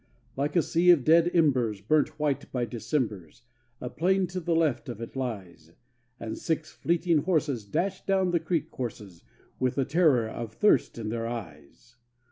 Like a sea of dead embers, burnt white by Decembers, A plain to the left of it lies; And six fleeting horses dash down the creek courses With the terror of thirst in their eyes.